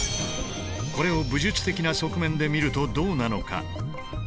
これを武術的な側面で見るとどうなのか。